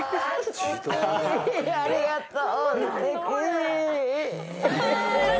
ありがとう。